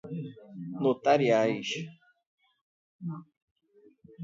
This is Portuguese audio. notariais